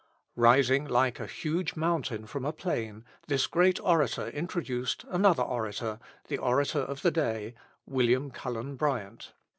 Rising like a huge mountain from a plain this great orator introduced another orator the orator of the day William Cullen Bryant.